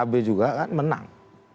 pkb juga kan menang